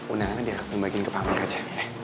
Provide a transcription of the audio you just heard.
undangannya dia aku bagiin ke pak amir aja